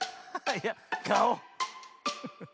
いやかお。